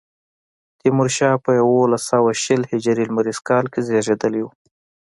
تیمورشاه په یوولس سوه شل هجري لمریز کال کې زېږېدلی و.